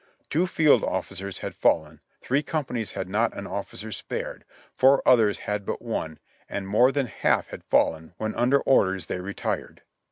Two field officers had fallen, three companies had not an officer spared, four others had but one, and more than half had fallen, when under orders they retired."